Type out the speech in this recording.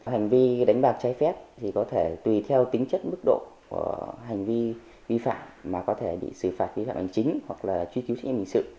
hành vi đánh bạc trái phép thì có thể tùy theo tính chất mức độ của hành vi vi phạm mà có thể bị xử phạt vi phạm hành chính hoặc là truy cứu trách nhiệm hình sự